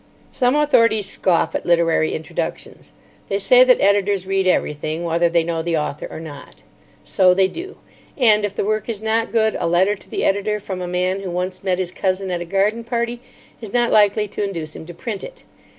Some authorities scoff at literary introductions. They say that editors read everything, whether they know the author or not. So they do; and, if the work is not good, a letter to the editor from a man who once met his cousin at a garden party is not likely to induce him to print it.